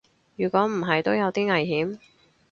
如果唔係都有啲危險